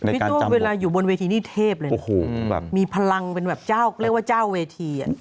พี่ตัวเวลาอยู่บนเวทีนี่เทพเลยนะโอ้โหมีพลังเป็นแบบเจ้าเวที